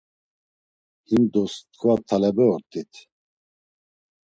Hindos t̆ǩva talebe ort̆it.